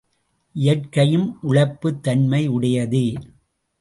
இயற்கையும் உழைப்புத் தன்மையுடையதே.